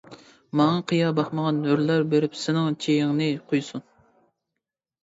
ماڭا قىيا باقمىغان ھۆرلەر بېرىپ سېنىڭ چېيىڭنى قۇيسۇن.